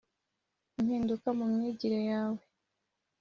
Impinduka mu myigire yawe